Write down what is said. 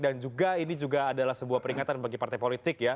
dan juga ini juga adalah sebuah peringatan bagi partai politik ya